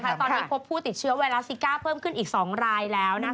ตอนนี้พบผู้ติดเชื้อไวรัสซิก้าเพิ่มขึ้นอีก๒รายแล้ว